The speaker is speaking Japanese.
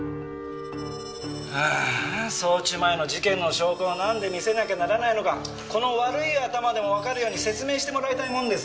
ああ送致前の事件の証拠をなんで見せなきゃならないのかこの悪い頭でもわかるように説明してもらいたいもんです。